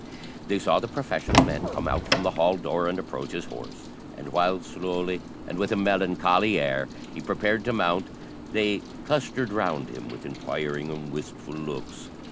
They saw the professional man come out from the hall door and approach his horse; and while slowly, and with a melancholy air, he prepared to mount, they clustered round him with inquiring and wistful looks.